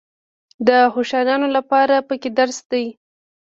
د هوښیارانو لپاره پکې درس دی.